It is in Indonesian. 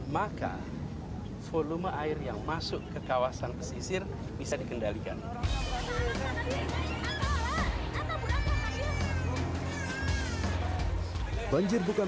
maka volume air yang masuk ke kawasan pesisir bisa dikendalikan